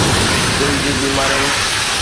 دل جي بيمارين